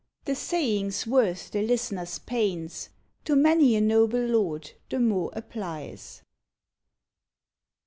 The saving's worth the listener's pains; To many a noble lord the mot applies.